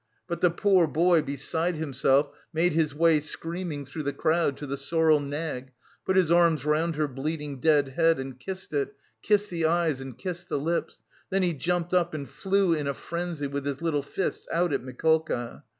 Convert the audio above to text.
But the poor boy, beside himself, made his way, screaming, through the crowd to the sorrel nag, put his arms round her bleeding dead head and kissed it, kissed the eyes and kissed the lips.... Then he jumped up and flew in a frenzy with his little fists out at Mikolka.